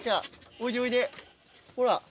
おいでおいでほら。